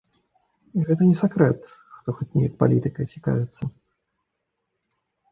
Гэта не сакрэт, хто хоць неяк палітыкай цікавіцца.